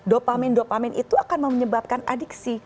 dopamin dopamin itu akan menyebabkan adiksi